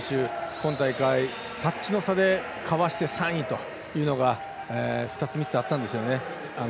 今大会タッチの差でカバーして３位というのが２つ、３つあったんですよね。